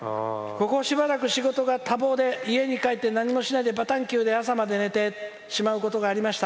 仕事が多忙で家に帰って何もしないでバタンキューで朝まで寝てしまうことがありました。